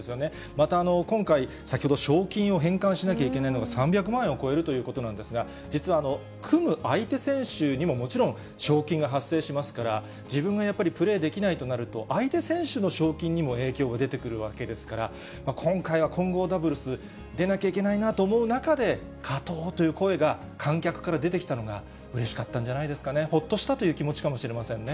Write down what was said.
また今回、先ほど賞金を返還しなきゃいけないのが３００万円を超えるということなんですが、実は組む相手選手にももちろん、賞金が発生しますから、自分がやっぱりプレーできないとなると、相手選手の賞金にも影響が出てくるわけですから、今回は混合ダブルス、出なきゃいけないなと思う中で、加藤という声が観客から出てきたのがうれしかったんじゃないですかね、ほっとしたという気持ちかもしれませんね。